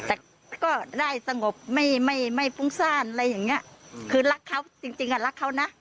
แต่ก็ได้สงบไม่ไม่ฟุ้งซ่านอะไรอย่างเงี้ยคือรักเขาจริงจริงอ่ะรักเขานะ